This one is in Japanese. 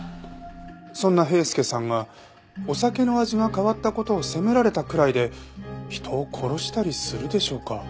そんな平助さんがお酒の味が変わった事を責められたくらいで人を殺したりするでしょうか？